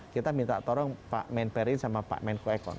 kita minta tolong pak men perin sama pak men kwekon